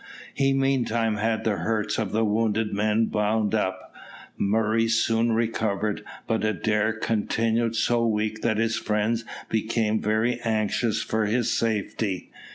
He meantime had the hurts of the wounded men bound up. Murray soon recovered, but Adair continued so weak that his friends became very anxious for his safety.